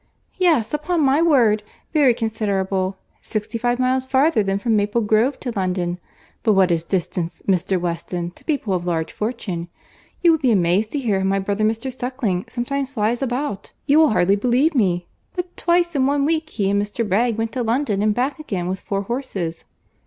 "Yes, upon my word, very considerable. Sixty five miles farther than from Maple Grove to London. But what is distance, Mr. Weston, to people of large fortune?—You would be amazed to hear how my brother, Mr. Suckling, sometimes flies about. You will hardly believe me—but twice in one week he and Mr. Bragge went to London and back again with four horses."